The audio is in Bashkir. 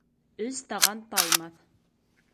Өс таған таймаҫ.